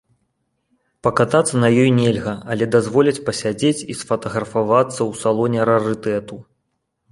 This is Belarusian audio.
Пакатацца на ёй нельга, але дазволяць пасядзець і сфатаграфавацца ў салоне рарытэту.